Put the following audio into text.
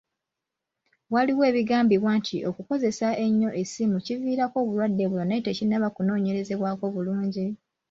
Waliwo ebigambibwa nti okukozesa ennyo esimu kiviirako obulwadde buno naye tekinnaba kunoonyerezebwako bulungi